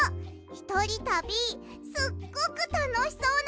ひとりたびすっごくたのしそうなの。